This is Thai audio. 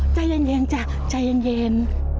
ใจเย็นจ้ะใจเย็น